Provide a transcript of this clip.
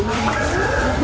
làm mấy gì